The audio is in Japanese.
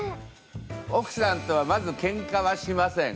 奥さんとはまずけんかはしません。